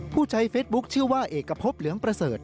ผู้ใช้เฟซบุ๊คชื่อว่าเอกพบเหลืองประเสริฐ